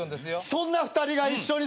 そんな２人が一緒に座ったら。